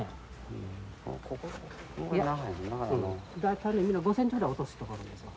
ここ。大体みんな５センチぐらい落とすところですわ。